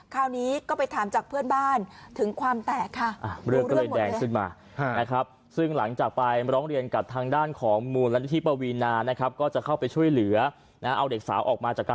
คราวนี้ก็ไปถามจากเพื่อนบ้านถึงความแตกค่ะ